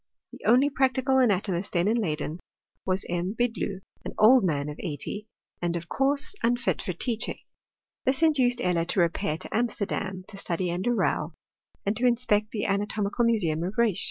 The only practical anatomist then in Leyden, was M. Bidloo, an old man of eighty, and of course 270 HISTOI^Y OF CQEMISTRTt unfit for te^hing. This induced Eller to repair to Amsterdam, to study under Rau, and to inspect th^ anatomical museum of Ruysch.